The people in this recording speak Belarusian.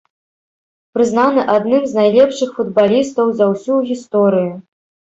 Прызнаны адным з найлепшых футбалістаў за ўсю гісторыю.